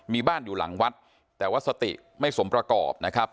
มีบ้านอยู่หลังวัดแต่ว่าสติไม่สมประกอบนะครับ